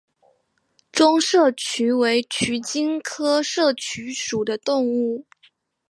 中麝鼩为鼩鼱科麝鼩属的动物。